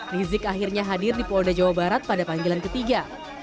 rizik akhirnya hadir di polda jawa barat pada panggilan ketiga